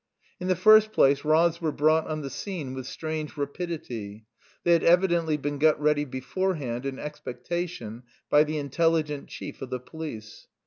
In the first place, rods were brought on the scene with strange rapidity; they had evidently been got ready beforehand in expectation by the intelligent chief of the police.